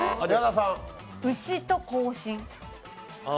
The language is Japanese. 牛と行進？